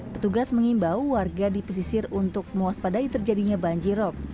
petugas mengimbau warga di pesisir untuk muaspadai terjadinya banjir rop